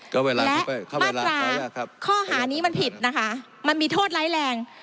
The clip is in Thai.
เข้าเวลาข้อหาอพอดีใช่ไหมข้อหานี้มันผิดนะคะมันมีโทษไร้แรง